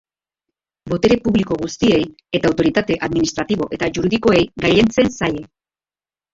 Botere publiko guztiei eta autoritate administratibo eta juridikoei gailentzen zaie.